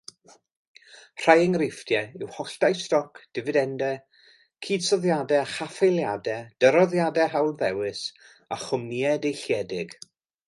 Rhai enghreifftiau yw holltau stoc, difidendau, cydsoddiadau a chaffaeliadau, dyroddiadau hawlddewis a chwmnïau deilliedig